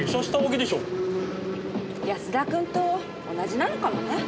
安田君と同じなのかもね。